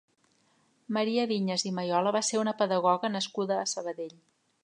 Maria Vinyes i Mayola va ser una pedagoga nascuda a Sabadell.